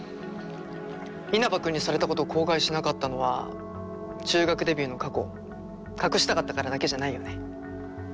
稲葉君にされたことを口外しなかったのは中学デビューの過去を隠したかったからだけじゃないよね？